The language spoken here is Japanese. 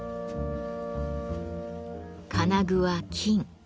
金具は金。